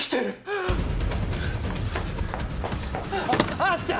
あっちゃん！